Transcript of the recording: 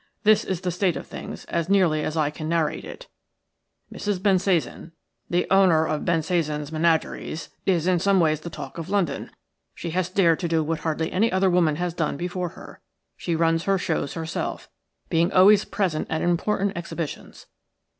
This is the state of things, as nearly as I can narrate it. Mrs. Bensasan, the owner of Bensasan's Menageries, is in some ways the talk of London. She has dared to do what hardly any other woman has done before her. She runs her shows herself, being always present at important exhibitions.